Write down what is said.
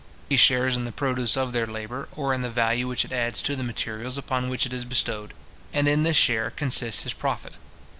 He shares in the produce of their labour, or in the value which it adds to the materials upon which it is bestowed; and in this share consists his profit.